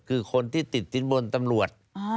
คือคนที่ติดสินบนตำรวจ